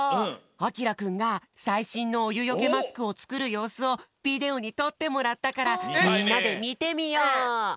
あきらくんがさいしんのおゆよけマスクをつくるようすをビデオにとってもらったからみんなでみてみよう！